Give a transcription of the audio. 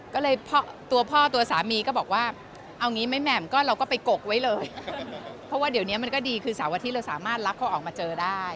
ก็เลยตัวพ่อตัวสามีก็บอกว่าเอางี้ไหมแหม่มก็เราก็ไปกกไว้เลยเพราะว่าเดี๋ยวนี้มันก็ดีคือเสาร์อาทิตย์เราสามารถรับเขาออกมาเจอได้